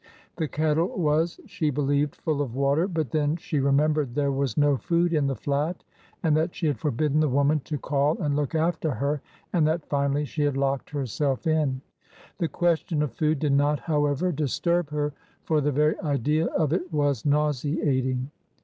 The kettle was, she be lieved, full of water, but then she remembered there was no food in the flat, and that she had forbidden the woman to call and look after her, and that finally she had locked herself in. The question of food did not, however, dis turb her, for the very idea of it was nauseating.